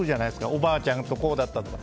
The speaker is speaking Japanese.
おばあちゃんとこうだったとか。